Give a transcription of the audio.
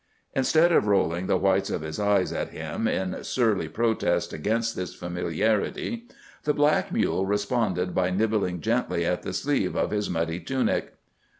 Instead of rolling the whites of his eyes at him, in surly protest against this familiarity, the black mule responded by nibbling gently at the sleeve of his muddy tunic.